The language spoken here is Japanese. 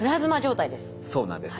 そうなんです。